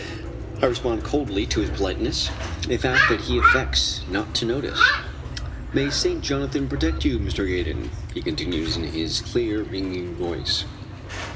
I respond coldly to his politeness a fact which he affects not to notice. "May Saint Jonathan protect you, Mr. Gaydon!" he continues in his clear, ringing voice.